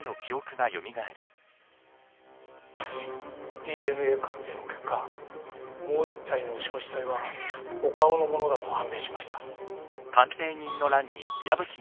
ＤＮＡ 鑑定の結果もう１体の焼死体は岡尾のものだと判明しました